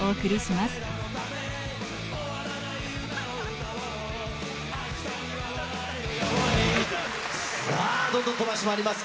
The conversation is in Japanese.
さあ、さあ、どんどん飛ばしてまいります。